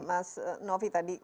mas novi tadi